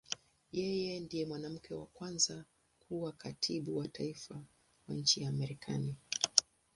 Yeye ndiye mwanamke wa kwanza kuwa Katibu wa Taifa wa nchi ya Marekani.